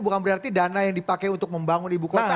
bukan berarti dana yang dipakai untuk membangun ibu kota